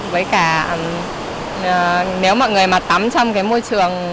với cả nếu mọi người mà tắm trong cái môi trường